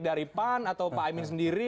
dari pan atau pak amin sendiri